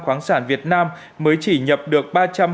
khoáng sản việt nam mới chỉ nhập được